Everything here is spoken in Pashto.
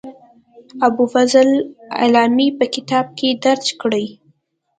ابوالفضل علامي په کتاب کې درج کړې.